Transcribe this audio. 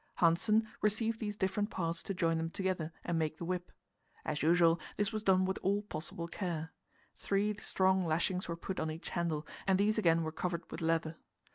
Hanssen received these different parts to join them together and make the whip. As usual, this was done with all possible care. Three strong lashings were put on each handle, and these again were covered with leather.